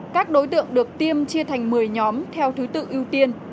các đối tượng được tiêm chia thành một mươi nhóm theo thứ tự ưu tiên